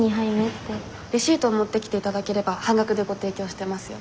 レシートを持ってきて頂ければ半額でご提供してますよ。